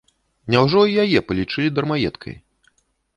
Няўжо і яе палічылі дармаедкай?